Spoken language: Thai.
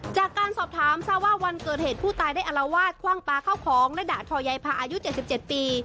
จากการสอบถามทราบว่าวันเกิดเหตุผู้ตายได้อารวาสคว่างปลาเข้าของและด่าทอยายพาอายุ๗๗ปี